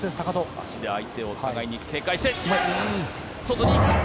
足で相手を互いに警戒して。